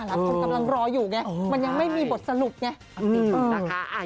กำลังรออยู่ไงมันยังไม่มีบทสรุปไง